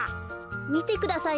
みてください